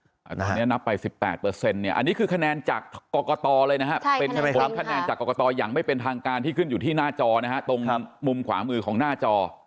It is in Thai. ตอนนี้นับไป๑๘อันนี้คือคะแนนจากกรกตเลยนะครับเป็นทางการที่ขึ้นอยู่ที่หน้าจอตรงมุมขวามือของหน้าจอ